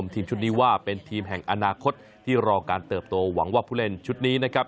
ทีมชุดนี้ว่าเป็นทีมแห่งอนาคตที่รอการเติบโตหวังว่าผู้เล่นชุดนี้นะครับ